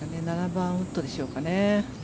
７番ウッドでしょうかね。